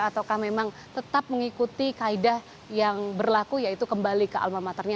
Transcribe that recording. atau memang tetap mengikuti kaedah yang berlaku yaitu kembali ke almamaternya